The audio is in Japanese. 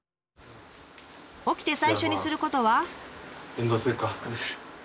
起きて最初にすることは？